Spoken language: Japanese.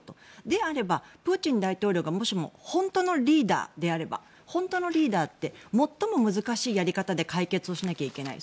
であれば、プーチン大統領がもしも本当のリーダーであれば本当のリーダーって最も難しいやり方で解決をしなきゃいけない。